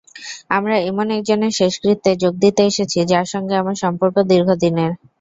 আমরা এমন একজনের শেষকৃত্যে যোগ দিতে এসেছি, যাঁর সঙ্গে আমার সম্পর্ক দীর্ঘদিনের।